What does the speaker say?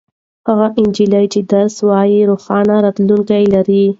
هغه نجلۍ چې درس وايي روښانه راتلونکې لري.